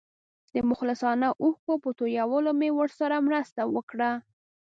د مخلصانه اوښکو په تویولو مې ورسره مرسته وکړه.